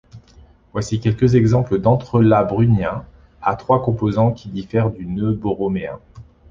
Voici quelques exemples d'entrelacs brunniens à trois composants qui diffèrent du nœud borroméen.